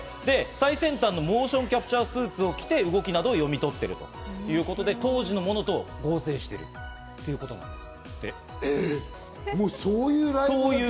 最先端のモーションキャプチャースーツを着て動きなどを読み取っているということで、当時のものと合成しているということなんです。